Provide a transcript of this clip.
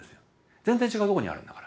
全然違う所にあるんだから。